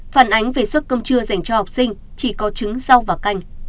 phản ánh về suất cơm trưa dành cho học sinh chỉ có trứng rau và canh